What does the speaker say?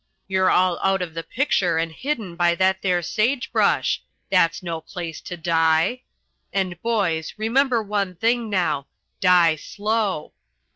You're all out of the picture and hidden by that there sage brush. That's no place to die. And, boys, remember one thing, now, die slow.